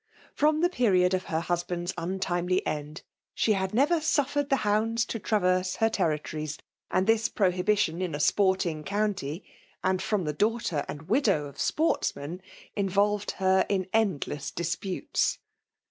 From the period of her husband's untimelj end, she had never sufiered the hounds to tra Terse her territories ; and this prohibition in a sporting county, and fix>m the daughter and mdow of sportsmen, involved her in endless disputes.